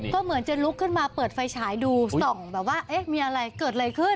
ก็เหมือนจะลุกขึ้นมาเปิดไฟฉายดูส่องแบบว่าเอ๊ะมีอะไรเกิดอะไรขึ้น